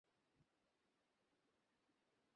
একটা যুদ্ধ চলছে!